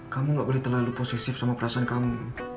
kamu gak boleh terlalu positif sama perasaan kamu